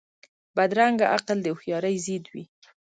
بدرنګه عقل د هوښیارۍ ضد وي